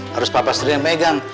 harus papa sendiri yang megang